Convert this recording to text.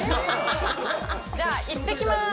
じゃあ、行ってきます！